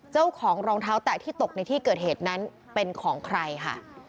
เจ้าของรองเท้าแตะที่ตกในที่เกิดเหตุนั้นเป็นของใครค่ะ